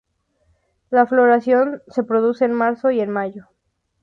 La floración se produce en marzo y mayo.